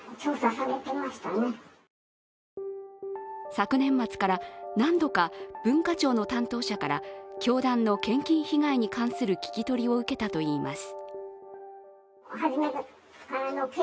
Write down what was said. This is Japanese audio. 昨年末から何度か文化庁の担当者から教団の献金被害に関する聞き取りを受けたといいます。